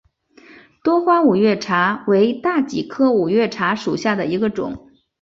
多花五月茶为大戟科五月茶属下的一个种。